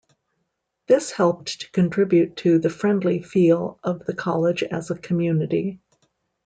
This helped to contribute to the friendly feel of the college as a community.